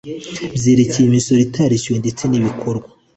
Byerekeye Imisoro Itarishyuwe Ndetse N Ibikorwa